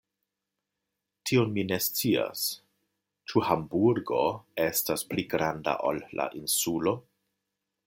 Tion mi ne scias; ĉu Hamburgo estas pli granda ol la Insulo?